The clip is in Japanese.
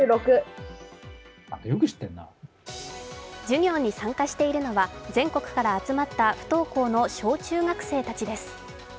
授業に参加しているのは、全国から集まった不登校の小中学生たちです。